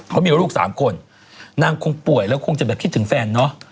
เขามีลูกสามคนนางคงป่วยแล้วคงจะแบบคิดถึงแฟนเนอะ